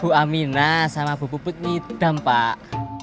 bu amina sama bu puput nidam pak